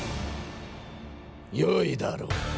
よいだろう。